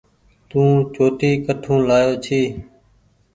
تو چوٽي ڪٺو لآيو ڇي۔